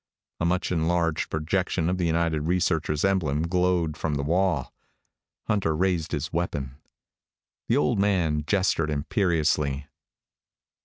A much enlarged projection of the United Researchers' emblem glowed from the Wall. Hunter raised his weapon. The old man gestured imperiously.